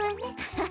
ハハ。